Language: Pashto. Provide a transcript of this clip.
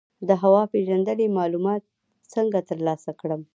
د هوا پیژندنې معلومات څنګه ترلاسه کړم؟